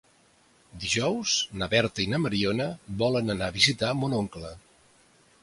Dijous na Berta i na Mariona volen anar a visitar mon oncle.